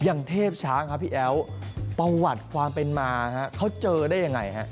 เทพช้างครับพี่แอ๋วประวัติความเป็นมาเขาเจอได้ยังไงฮะ